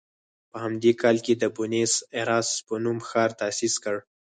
په همدې کال یې د بونیس ایرس په نوم ښار تاسیس کړ.